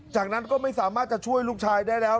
จากนั้นก็ไม่สามารถจะช่วยลูกชายได้แล้ว